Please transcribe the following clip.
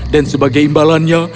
dan sebagai imbalannya